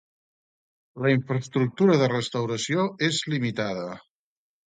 La infraestructura de restauració és limitada.